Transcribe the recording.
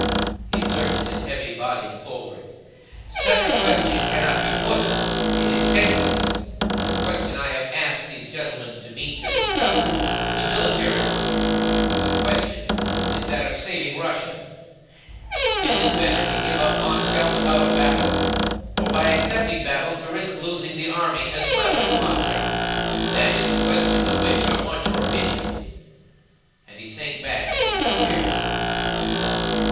(He lurched his heavy body forward.) "Such a question cannot be put; it is senseless! The question I have asked these gentlemen to meet to discuss is a military one. The question is that of saving Russia. Is it better to give up Moscow without a battle, or by accepting battle to risk losing the army as well as Moscow? That is the question on which I want your opinion," and he sank back in his chair.